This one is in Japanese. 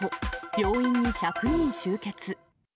病院に１００人集結。